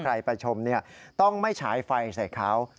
ไปชมต้องไม่ฉายไฟใส่เขา